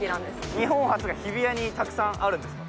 日本初が日比谷にたくさんあるんですか？